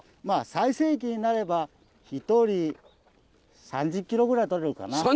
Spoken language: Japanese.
まあ最盛期になれば１人３０キロぐらいとれるかな。